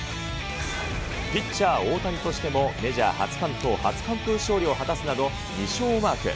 ピッチャー大谷としてもメジャー初完投、初完封勝利を果たすなど、２勝をマーク。